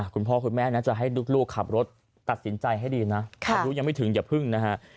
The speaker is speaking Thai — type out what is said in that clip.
คุณพ่อคุณแม่นะจะให้ลูกขับรถตัดสินใจให้ดีนะอายุยังไม่ถึงอย่าพึ่งนะฮะ